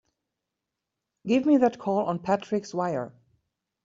Give me that call on Patrick's wire!